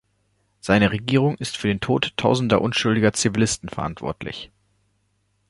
Seine Regierung ist für den Tod tausender unschuldiger Zivilisten verantwortlich.